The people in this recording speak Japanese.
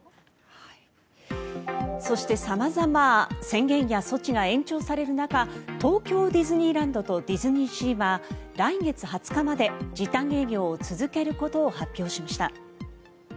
そして様々、宣言や措置が延長される中東京ディズニーランドとディズニーシーは来月２０日まで時短営業を続けることを発表しました。